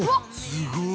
◆すごーい。